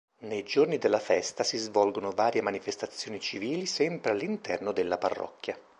Nei giorni della festa si svolgono varie manifestazioni civili sempre all'interno della Parrocchia.